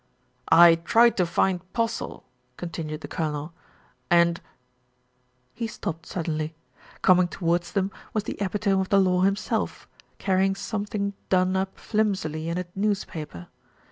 "I tried to find Postle," continued the Colonel, "and " He stopped suddenly. Coming towards them was the epitome of the law himself, carrying something done up flimsily in a newspaper.